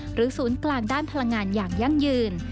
ศูนย์กลางด้านพลังงานอย่างยั่งยืน